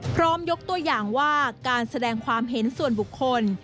ยกตัวอย่างว่าการแสดงความเห็นส่วนบุคคล